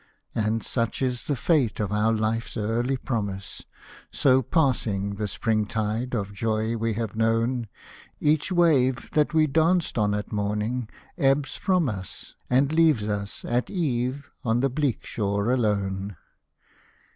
And such is the fate of our life's early promise. So passing the spring tide of joy we have known ; Each wave, that we danced on at morning, ebbs from us, And leaves us, at eve, on the bleak shore alone.